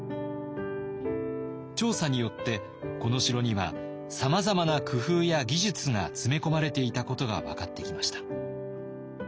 調査によってこの城にはさまざまな工夫や技術が詰め込まれていたことが分かってきました。